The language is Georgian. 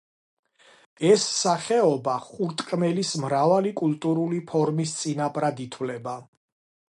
ეს სახეობა ხურტკმელის მრავალი კულტურული ფორმის წინაპრად ითვლება.